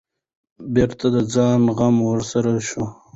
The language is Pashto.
بېرته د ځان غم ورسره شو.